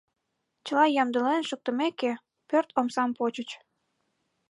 Чыла ямдылен шуктымеке, пӧрт омсам почыч.